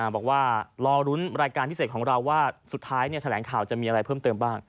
บอกว่ารอลุ้นรายการพิเศษของเราว่าสุดท้ายแถลงข่าวจะมีอะไรเพิ่มเติมบ้าง